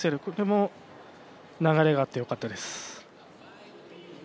これも流れがあって良かったです。